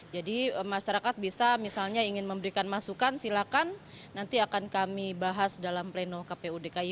jadi masyarakat bisa misalnya ingin memberikan masukan silakan nanti akan kami bahas dalam pleno kpu dki